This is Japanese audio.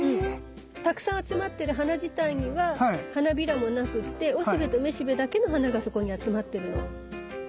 たくさん集まってる花自体には花びらも無くっておしべとめしべだけの花がそこに集まってるの。